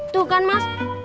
tuh kan mas